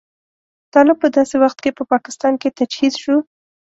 طالب په داسې وخت کې په پاکستان کې تجهیز شو.